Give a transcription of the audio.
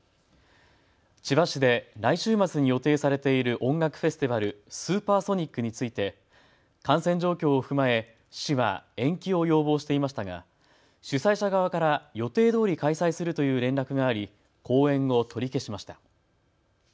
千葉市で来週末に予定されている音楽フェスティバル、スーパーソニックについて感染状況を踏まえ、市は延期を要望していましたが主催者側から予定どおり開催するという連絡があり後援を取り消しました。